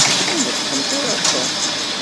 Ur neṭṭqemt ara ɣer Tom.